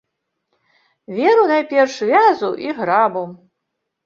Веру найперш вязу і грабу.